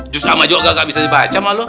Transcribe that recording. just sama juga nggak bisa baca malo